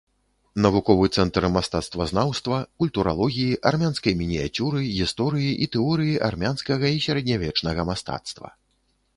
Навуковы цэнтр мастацтвазнаўства, культуралогіі, армянскай мініяцюры, гісторыі і тэорыі армянскага і сярэднявечнага мастацтва.